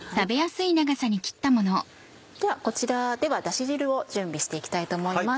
ではこちらではだし汁を準備して行きたいと思います。